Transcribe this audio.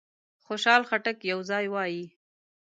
خوشحال خټک یو ځای وایي.